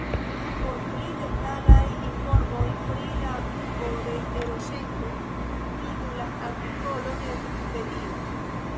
Por pli detalaj informoj pri la vivo de Eroŝenko vidu la artikolon en Vikipedio.